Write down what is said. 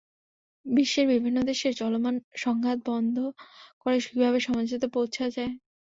বিশ্বের বিভিন্ন দেশে চলমান সংঘাত বন্ধ করে কীভাবে সমঝোতায় পৌঁছা যায়।